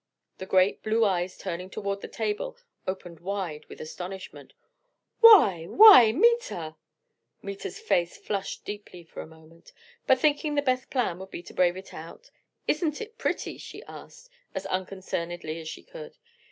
The great blue eyes turning toward the table opened wide with astonishment. "Why, why, Meta!" Meta's face flushed deeply for a moment, but thinking the best plan would be to brave it out, "Isn't it pretty?" she asked, as unconcernedly as she could.